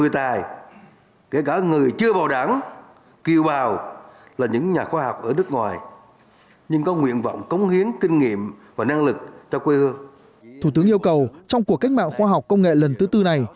thủ tướng yêu cầu trong cuộc cách mạng khoa học công nghệ lần thứ tư này